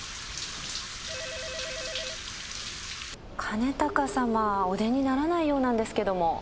兼高様お出にならないようなんですけども。